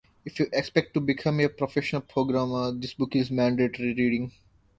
If you expect to become a professional programmer, this book is mandatory reading.